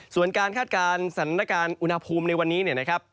ส่วนการคาดการณ์สรรดาการอุณหภูมิในวันนี้นะครับ